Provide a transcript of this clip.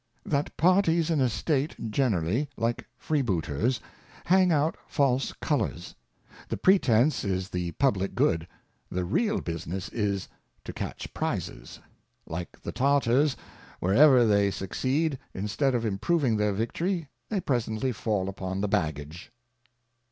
That Parties in a State generally, like Freebooters, hang out False Colours ; the pretence is the Publick Good ; the real Business is, to catch Prizes ; like the Tartars, where ever they succeed, instead of Improving their Victory, they presently fall upon the Baggage.